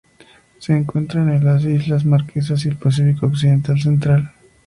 Se encuentran en las Islas Marquesas y el Pacífico occidental central.